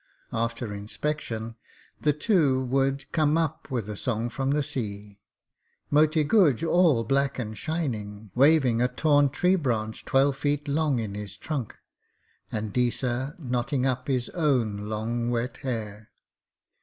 After inspection, the two would 'come up with a song from the sea,' Moti Guj all black and shining, waving a torn tree branch twelve feet long in his trunk, and Deesa knotting up his own long wet hair.